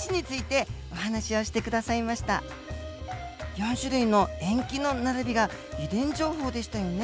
４種類の塩基の並びが遺伝情報でしたよね。